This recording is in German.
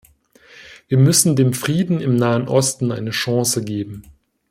Wir müssen dem Frieden im Nahen Osten eine Chance geben.